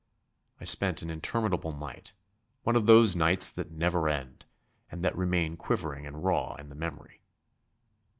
I spent an interminable night, one of those nights that never end and that remain quivering and raw in the memory.